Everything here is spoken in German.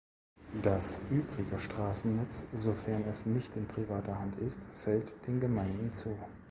Das übrige Straßennetz, sofern es nicht in privater Hand ist, fällt den Gemeinden zu.